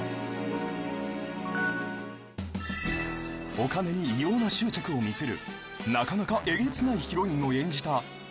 ［お金に異様な執着を見せるなかなかえげつないヒロインを演じた松嶋菜々子］